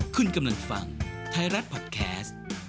คุณกำลังฟังไทยรัฐพอดแคสต์